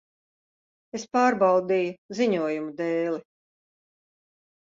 Es pārbaudīju ziņojumu dēli.